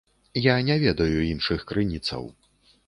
Я не ведаю іншых крыніцаў.